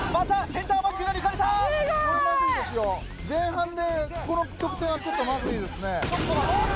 前半でこの得点はちょっとまずいですね。